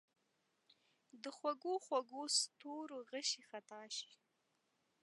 د خوږو، خوږو ستورو غشي خطا شي